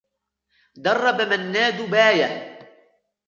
درّب منّاد باية.